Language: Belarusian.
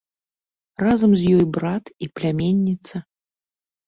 Разам з ёй брат і пляменніца.